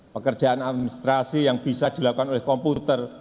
pekerjaan administrasi yang bisa dilakukan oleh komputer